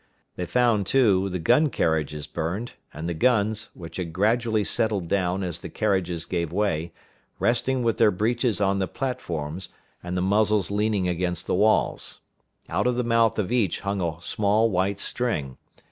They found, too, the gun carriages burned, and the guns, which had gradually settled down as the carriages gave way, resting with their breeches on the platforms, and the muzzles leaning against the walls. Out of the mouth of each hung a small white string.